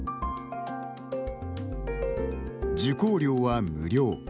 受講料は無料。